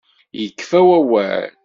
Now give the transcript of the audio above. Yekfa wawal.